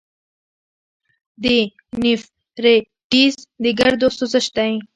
د نیفریټس د ګردو سوزش دی.